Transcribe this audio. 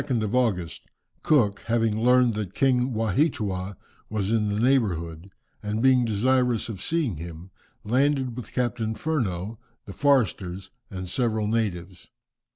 "] On the 22nd of August, Cook having learned that King Waheatua was in the neighbourhood, and being desirous of seeing him, landed with Captain Furneaux, the Forsters, and several natives.